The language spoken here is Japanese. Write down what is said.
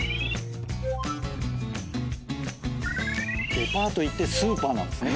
デパート行ってスーパーなんですね。